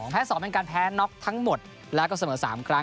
แพ้๒เป็นการแพ้น็อกทั้งหมดแล้วก็เสมอ๓ครั้ง